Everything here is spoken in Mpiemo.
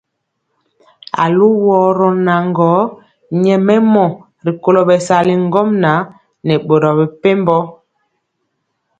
Aluworo naŋgɔ nyɛmemɔ rikolo bɛsali ŋgomnaŋ nɛ boro mepempɔ.